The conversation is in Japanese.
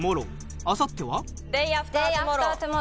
あさっては？